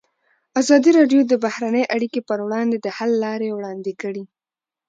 ازادي راډیو د بهرنۍ اړیکې پر وړاندې د حل لارې وړاندې کړي.